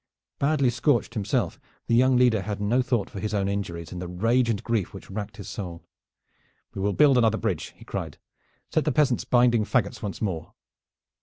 Badly scorched himself, the young leader had no thought for his own injuries in the rage and grief which racked his soul. "We will build another bridge," he cried. "Set the peasants binding fagots once more."